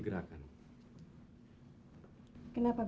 aku akan jepangrafah